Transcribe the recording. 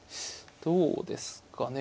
どうですかね。